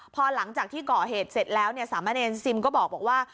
พอหลังจากที่ก่อเหตุเสร็จแล้วเนี่ยสามะเนรซิมก็บอกว่า